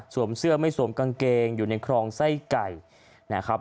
สวมเสื้อไม่สวมกางเกงอยู่ในครองไส้ไก่